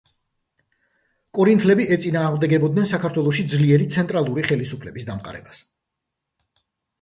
კორინთლები ეწინააღმდეგებოდნენ საქართველოში ძლიერი ცენტრალური ხელისუფლების დამყარებას.